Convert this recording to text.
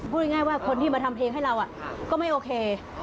พูดง่ายว่าคนที่มาทำเพลงให้เราก็ไม่โอเค